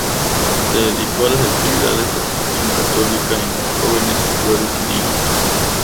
Se dedicó a las actividades de promoción católica entre jóvenes, mayores y niños.